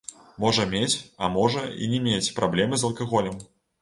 Можа мець, а можа і не мець праблемы з алкаголем.